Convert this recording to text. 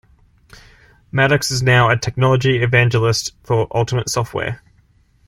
Maddox is now a technology evangelist for Ultimate Software.